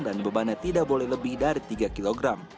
dan bebannya tidak boleh lebih dari tiga kg